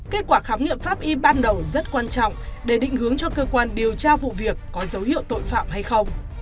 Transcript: kết quả khám nghiệm pháp y ban đầu rất quan trọng để định hướng cho cơ quan điều tra vụ việc có dấu hiệu tội phạm hay không